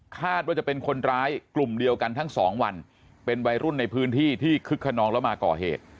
คาดว่าจะเป็นคนร้ายกลุ่มเดียวกันทั้งสองวันเป็นวัยรุ่นในพื้นที่ที่คึกขนองแล้วมาก่อเหตุ